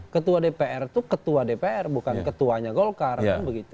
ketua dpr itu ketua dpr bukan ketuanya golkar